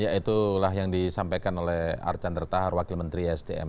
ya itulah yang disampaikan oleh archan dertahar wakil menteri stm